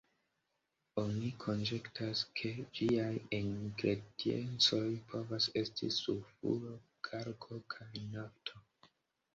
Oni konjektas, ke ĝiaj ingrediencoj povas esti sulfuro, kalko kaj nafto.